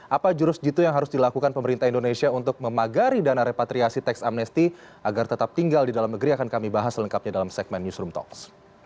apa jurus jitu yang harus dilakukan pemerintah indonesia untuk memagari dana repatriasi teks amnesti agar tetap tinggal di dalam negeri akan kami bahas selengkapnya dalam segmen newsroom talks